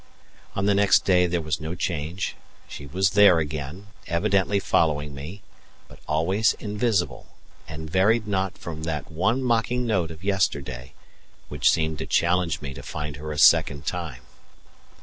On the next day there was no change; she was there again, evidently following me, but always invisible, and varied not from that one mocking note of yesterday, which seemed to challenge me to find her a second time.